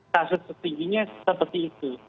kasus tertingginya seperti itu